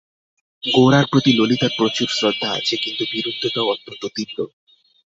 গোরার প্রতি ললিতার প্রচুর শ্রদ্ধা আছে, কিন্তু বিরুদ্ধতাও অত্যন্ত তীব্র।